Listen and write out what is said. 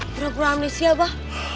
beropura amnesia abah